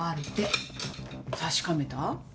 確かめた？